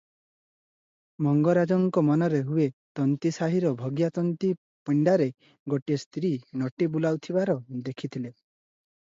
ମଙ୍ଗରାଜଙ୍କ ମନରେ ହୁଏ ତନ୍ତୀ ସାହିର ଭଗିଆ ତନ୍ତୀ ପିଣ୍ତାରେ ଗୋଟିଏ ସ୍ତ୍ରୀ ନଟି ବୁଲାଉଥିବାର ହେଖିଥିଲେ ।